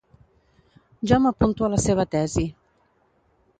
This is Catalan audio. Jo m’apunto a la seva tesi.